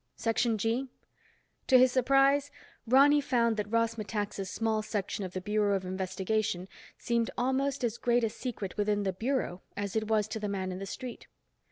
Section G? To his surprise, Ronny found that Ross Metaxa's small section of the Bureau of Investigation seemed almost as great a secret within the Bureau as it was to the man in the street.